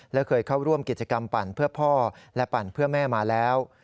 และเคยเข้าร่วมกิจกรรมปั่นเพื่อพ่อและปั่นเพื่อแม่มาแล้ว